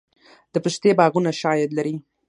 د پستې باغونه ښه عاید لري؟